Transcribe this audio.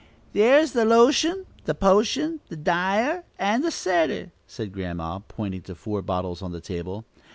"There's the lotion, the potion, the dye er, and the setter," said Grandma, pointing to four bottles on the table.